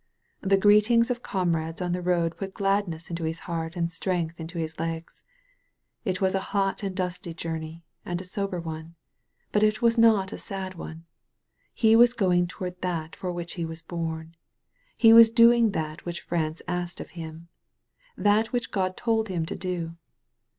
The greetings of comrades on the road put glad ness into his heart and strength into his legs. It was a hot and dusty journey, and a sober one. But it was not a sad one. He was going toward that for which he was bom. He was doing that which France asked of him, that which God told him to do.